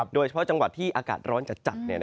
โดยเฉพาะจังหวัดที่อากาศร้อนจัด